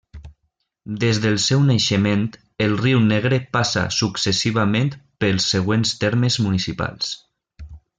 Des del seu naixement el Riu Negre passa successivament pels següents termes municipals.